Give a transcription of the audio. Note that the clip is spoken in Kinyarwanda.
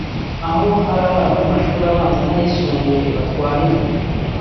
aho hari abana bo mu mashuri abanza n’ayisumbuye batwara inda